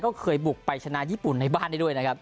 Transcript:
ก็เคยบุกไปชนะญี่ปุ่นในบ้านได้ด้วยนะครับ